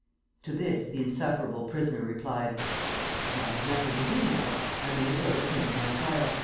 To this the insufferable prisoner replied: "As I have nothing to do now, I may as well attend to my trial.